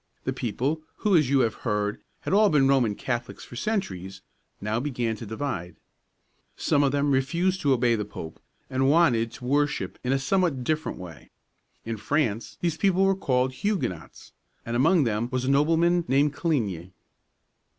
The people, who, as you have heard, had all been Roman Catholics for centuries, now began to divide. Some of them refused to obey the pope, and wanted to worship in a somewhat different way. In France these people were called Hu´gue nots, and among them was a nobleman named Coligny (co leen´ye).